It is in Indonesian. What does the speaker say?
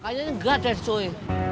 kayanya ini god eh cuy